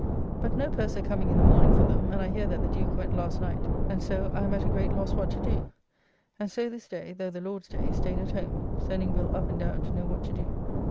But no purser coming in the morning for them, and I hear that the Duke went last night, and so I am at a great loss what to do; and so this day (though the Lord's day) staid at home, sending Will up and down to know what to do.